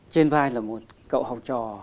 trên vai là một cậu học trò